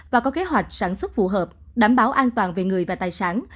và có kế hoạch sản xuất phù hợp đảm bảo an toàn về người và tài sản